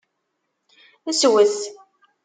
Swet.